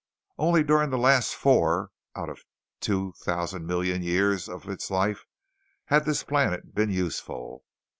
Only during the last four out of two thousand millions of years of its life had this planet been useful.